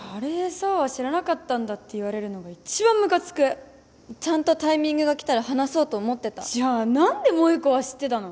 紗羽は知らなかったんだって言われるのが一番ムカつくちゃんとタイミングが来たら話そうと思ってたじゃあ何で萌子は知ってたの？